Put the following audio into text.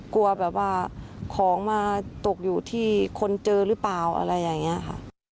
กลัวแบบว่าของมาตกอยู่ที่คนเจอหรือเปล่าอะไรอย่างนี้ค่ะ